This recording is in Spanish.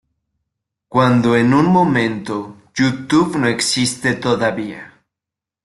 Cuando en un momento, YouTube no existe todavía.